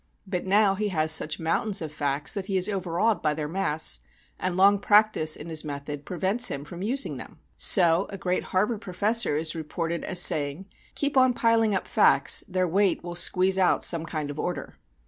But now he has such mountains of facts that he is overawed by their mass, and long practice in his method prevents him from using them. So a great Harvard professor is reported as saying, "Keep on piling up facts, their weight will squeeze out some kind of order."